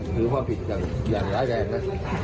ถือว่าผิดอย่างร้ายแรงนะ